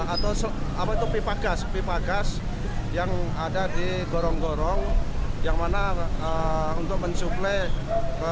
atau apa itu pipa gas pipa gas yang ada di gorong gorong yang mana untuk mensuplai